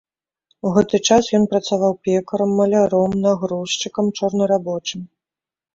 У гэты час ён працаваў пекарам, маляром, нагрузчыкам, чорнарабочым.